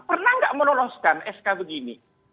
pernah nggak meloloskan sk begini